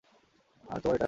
আর তোমার টা?